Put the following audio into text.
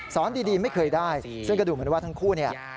ดีไม่เคยได้ซึ่งก็ดูเหมือนว่าทั้งคู่เนี่ย